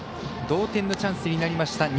同点のチャンスになりました。